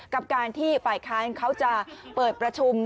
กับการที่ฝ่ายค้านเขาจะเปิดประชุม